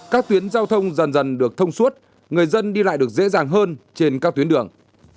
các tuyến giao thông dần dần được thông suốt người dân đi lại được dễ dàng hơn trên các tuyến đường